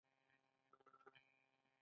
نو دا جوړښت غیر عادلانه ګڼل کیږي.